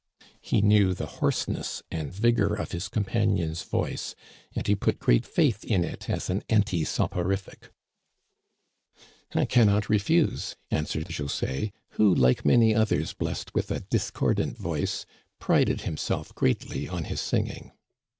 He knew the hoarseness and vigor of his compan ion's voice, and he put great faith in it as an anti soporific. " I can not refuse," answered José, who, like many others blessed with a discordant voice, prided himself greatly on his singing.